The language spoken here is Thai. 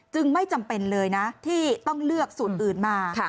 ไม่จำเป็นเลยนะที่ต้องเลือกสูตรอื่นมา